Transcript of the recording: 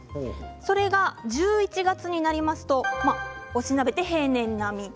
それが１１月になりますとおしなべて平年並み。